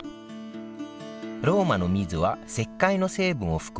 ローマの水は石灰の成分を含む硬水です。